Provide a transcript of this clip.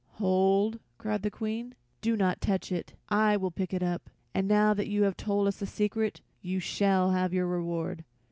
"Hold!" cried the Queen; "do not touch it. I will pick it up, and now that you have told us the secret you shall have your reward."